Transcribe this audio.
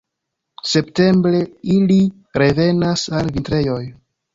Septembre ili revenas al vintrejoj.